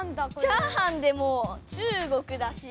チャーハンでも中国だし。